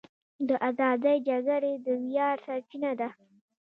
د ازادۍ جګړې د ویاړ سرچینه ده.